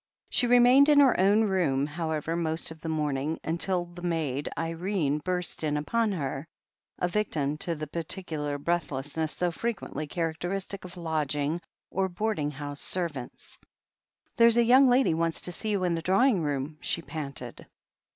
She remained in her own room, however, most of the morning, until the maid Irene burst in upon her, a vic tim to that peculiar breathlessness so frequently char acteristic of lodging or boarding house servants. "There's a young lady wants to see you in the draw ing room," she panted.